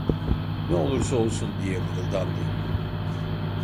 "Ne olursa olsun…" diye mırıldandı.